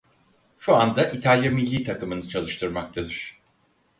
Şu anda İtalya millî takımını çalıştırmaktadır.